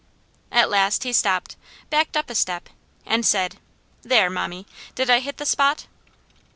At last he stopped, backed a step, and said: "There, mommy, did I hit the spot?"